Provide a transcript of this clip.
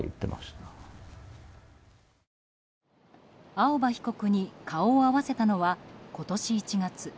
青葉被告に顔を合わせたのは今年１月。